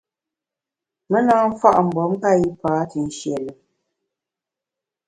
Me na mfa’ mgbom nka yipa te nshie lùm.